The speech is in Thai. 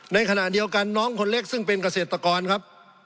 ในขณะเดียวกันน้องคนเล็กซึ่งเป็นเกษตรกรครับ